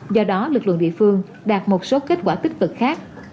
do đó lực lượng địa phương đạt một số kết quả tích cực khác